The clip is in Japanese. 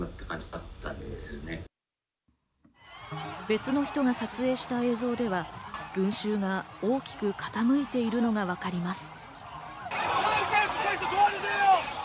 別の人が撮影した映像では、群衆が大きく傾いているのがわかります。